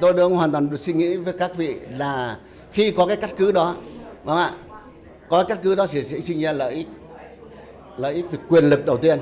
tôi đều hoàn toàn suy nghĩ với các vị là khi có cái cắt cứ đó có cái cắt cứ đó sẽ xây dựng ra lợi ích lợi ích quyền lực đầu tiên